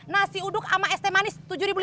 nasi uduk sama es teh manis